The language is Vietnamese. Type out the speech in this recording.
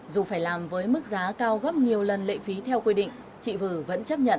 dù phải làm với mức giá cao gấp nhiều lần lệ phí theo quy định chị vư vẫn chấp nhận